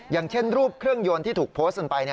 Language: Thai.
อย่างเช่นรูปเครื่องยนต์ที่ถูกโพสต์กันไป